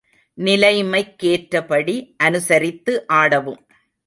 நிலைமைக்கேற்றபடி அனுசரித்து ஆடவும்.